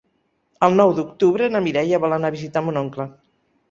El nou d'octubre na Mireia vol anar a visitar mon oncle.